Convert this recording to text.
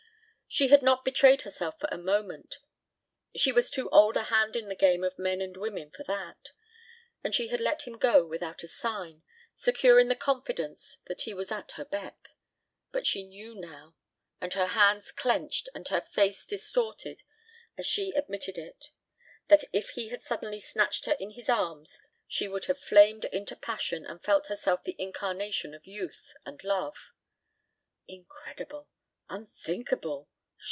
She had not betrayed herself for a moment, she was too old a hand in the game of men and women for that, and she had let him go without a sign, secure in the confidence that he was at her beck; but she knew now, and her hands clenched and her face distorted as she admitted it, that if he had suddenly snatched her in his arms she would have flamed into passion and felt herself the incarnation of youth and love. Incredible. Unthinkable.